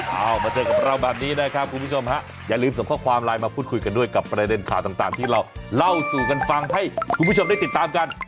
เอามาเจอกับเราแบบนี้นะครับคุณผู้ชมฮะอย่าลืมส่งข้อความไลน์มาพูดคุยกันด้วยกับประเด็นข่าวต่างที่เราเล่าสู่กันฟังให้คุณผู้ชมได้ติดตามกัน